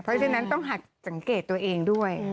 เพราะฉะนั้นต้องหักสังเกตตัวเองด้วย